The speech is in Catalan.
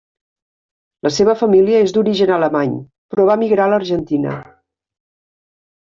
La seva família és d'origen alemany però va emigrar l'Argentina.